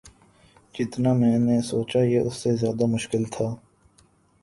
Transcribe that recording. جتنا میں نے سوچا یہ اس سے زیادہ مشکل تھا